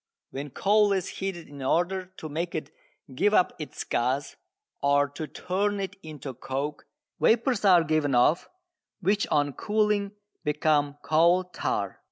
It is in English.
When coal is heated in order to make it give up its gas, or to turn it into coke, vapours are given off which on cooling become coal tar.